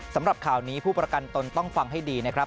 สำหรับข่าวนี้ผู้ประกันตนต้องฟังให้ดีนะครับ